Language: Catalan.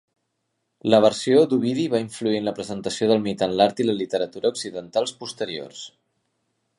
La versió d'Ovidi va influir en la presentació del mite en l'art i la literatura occidentals posteriors.